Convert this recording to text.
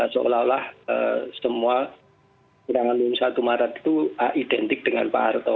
seolah olah semua kerangan umum satu maret itu identik dengan pak harto